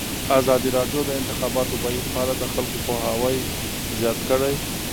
ازادي راډیو د د انتخاباتو بهیر په اړه د خلکو پوهاوی زیات کړی.